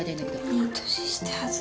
いい年して恥ず。